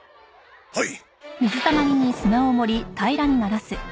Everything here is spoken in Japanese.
はい。